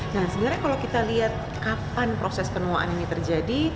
nah sebenarnya kalau kita lihat kapan proses penuaan ini terjadi